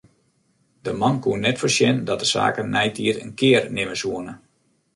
De man koe net foarsjen dat de saken neitiid in kear nimme soene.